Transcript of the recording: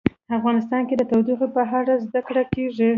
افغانستان کې د تودوخه په اړه زده کړه کېږي.